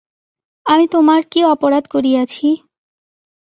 আমি তােমার কি অপরাধ করিয়াছি?